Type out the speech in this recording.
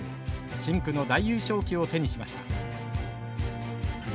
深紅の大優勝旗を手にしました。